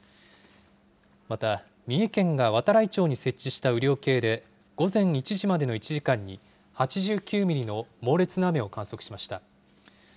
また、三重県が度会町に設置した雨量計で、午前１時までの１時間に８９ミリの猛烈な雨を観測しました。